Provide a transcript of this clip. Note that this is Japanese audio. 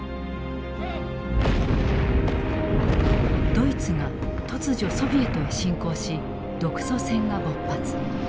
ドイツが突如ソビエトへ侵攻し独ソ戦が勃発。